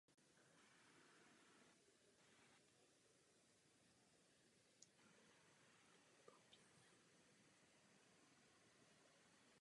Jahody.